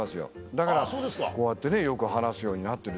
だからこうやってねよく話すようになってるし。